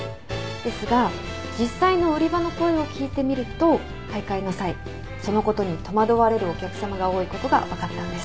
ですが実際の売り場の声を聞いてみると買い替えの際そのことに戸惑われるお客さまが多いことが分かったんです。